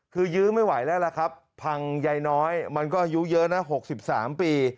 คือยื้อไม่ไหวแล้วล่ะครับพังยายน้อยมันก็อายุเยอะนะ๖๓ปี